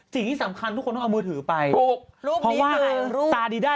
แต่เขาจะหนูไปเอาลูกที่นี่